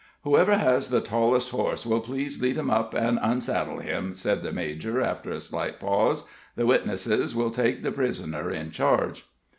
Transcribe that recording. "Whoever has the tallest horse will please lead him up and unsaddle him," said the major, after a slight pause. "The witnesses will take the prisoner in charge."